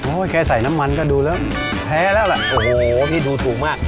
แค่ใส่น้ำมันก็ดูแล้วแพ้แล้วล่ะโอ้โหพี่ดูถูกมาก